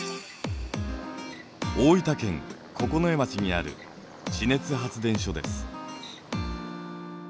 大分県九重町にある地熱発電所です。